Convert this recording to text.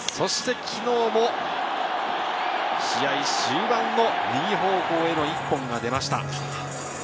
昨日も試合終盤の右方向への１本が出ました。